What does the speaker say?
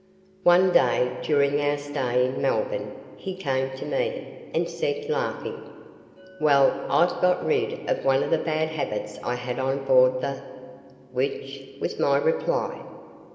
One day during our stay in Melbourne he came to me, and said, laughing: "Well! I've got rid of one of the bad HABITS I had on board the ." "Which?" was my reply.